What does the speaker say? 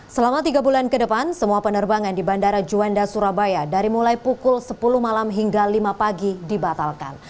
selama tiga bulan ke depan semua penerbangan di bandara juanda surabaya dari mulai pukul sepuluh malam hingga lima pagi dibatalkan